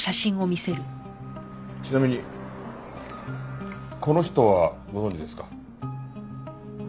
ちなみにこの人はご存じですか？